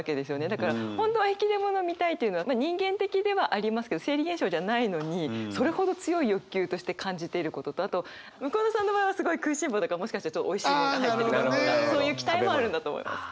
だから本当は引出物を見たいっていうのは人間的ではありますけど生理現象じゃないのにそれほど強い欲求として感じていることとあと向田さんの場合はすごい食いしん坊だからもしかしたらちょっとおいしいものが入ってるとかそういう期待もあるんだと思います。